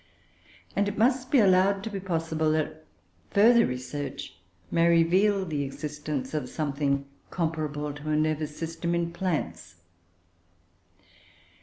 And it must be allowed to be possible that further research may reveal the existence of something comparable to a nervous system in plants.